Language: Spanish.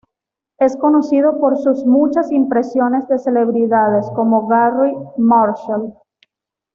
Es conocido por sus muchas impresiones de celebridades, como Garry Marshall.